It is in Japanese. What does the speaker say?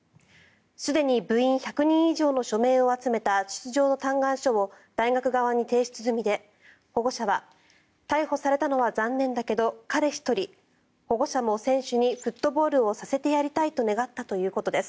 すでに部員１００人以上の署名を集めた出場の嘆願書を大学側に提出済みで保護者は逮捕されたのは残念だけど彼１人保護者も選手にフットボールをさせてやりたいと願ったということです。